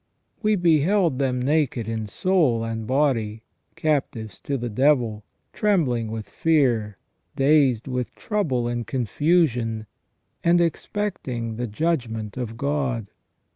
We beheld them naked in soul and body, captives to the devil, trembling with fear, dazed with trouble and confusion, and expecting the judgment of God.